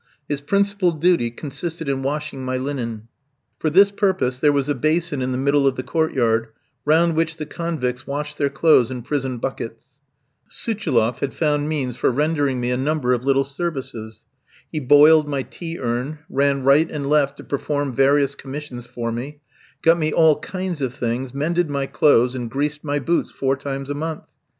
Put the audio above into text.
His principal duty consisted in washing my linen. For this purpose there was a basin in the middle of the court yard, round which the convicts washed their clothes in prison buckets. Suchiloff had found means for rendering me a number of little services. He boiled my tea urn, ran right and left to perform various commissions for me, got me all kinds of things, mended my clothes, and greased my boots four times a month.